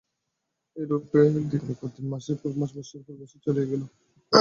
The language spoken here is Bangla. এইরূপে দিনের পর দিন, মাসের পর মাস, বৎসরের পর বৎসর চলিয়া গেল।